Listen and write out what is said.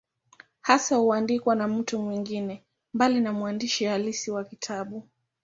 Hasa huandikwa na mtu mwingine, mbali na mwandishi halisi wa kitabu.